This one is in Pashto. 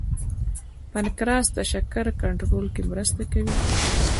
پنکراس د شکر کنټرول کې مرسته کوي